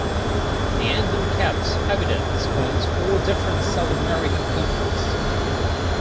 The Andean cat's habitat spans four different South American countries.